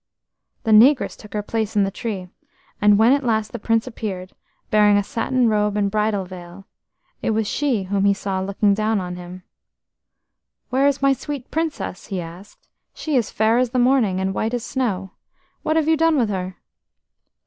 The negress took her place in the tree, and when at last the Prince appeared, bearing a satin robe and a bridal veil, it was she whom he saw looking down on him. HERE is my sweet Princess?" he asked. "She is fair as the morning, and white as snow. What have you done with her?"